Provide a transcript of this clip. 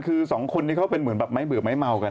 คือสองคนนี้เขาเป็นเหมือนแบบไม้เบื่อไม้เมากัน